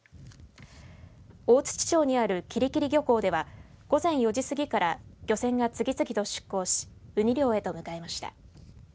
大槌町にある吉里吉里漁港では午前４時過ぎから漁船が次々と出港しウニ漁へと向かいました。